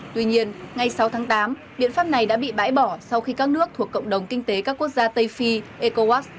tuy nhiên ngay sáu tháng tám biện pháp này đã bị bãi bỏ sau khi các nước thuộc cộng đồng kinh tế các quốc gia tây phi ecowas